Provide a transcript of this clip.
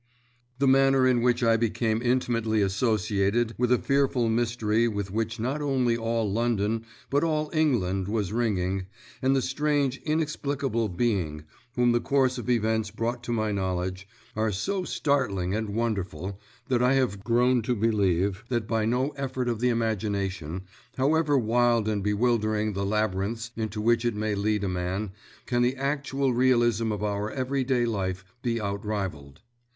The manner in which I became intimately associated with a fearful mystery with which not only all London but all England was ringing, and the strange, inexplicable Being whom the course of events brought to my knowledge, are so startling and wonderful, that I have grown to believe that by no effort of the imagination, however wild and bewildering the labyrinths into which it may lead a man, can the actual realism of our everyday life be outrivalled.